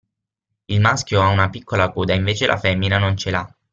Il maschio ha una piccola coda invece la femmina non c'è l'ha.